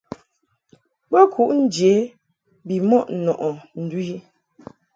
Bo kuʼ nje bimɔʼ nɔʼɨ ndu i.